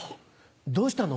どうしたの？